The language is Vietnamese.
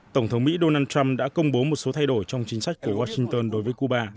tổng thống mỹ donald trump đã công bố một số thay đổi trong chính sách của washington đối với cuba